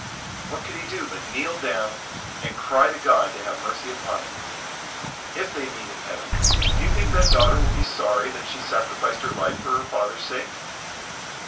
What could he do but kneel down and cry to God to have mercy upon him? If they meet in heaven, do you think that daughter will be sorry that she sacrificed her life for her father's sake?